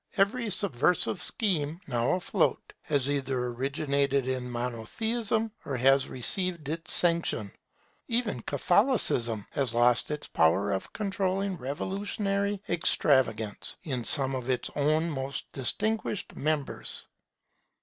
Every subversive scheme now afloat has either originated in Monotheism or has received its sanction. Even Catholicism has lost its power of controlling revolutionary extravagance in some of its own most distinguished members.